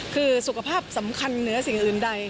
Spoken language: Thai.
คือสุขภาพสำคัญเหนือสิ่งอื่นใด